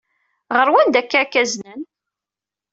Ɣer wanda akka ad k-aznen?